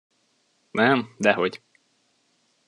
Nem, dehogy.